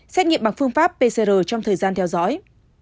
xét nghiệm bằng phương pháp pcr trong thời gian theo dõi